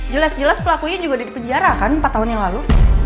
jelas jelas pelakunya juga ada di penjarahan empat tahun yang lalu